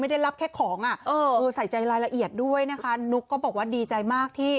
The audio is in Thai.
อ่ะเออใส่ใจรายละเอียดด้วยนะคะนุ๊กก็บอกว่าดีใจมากที่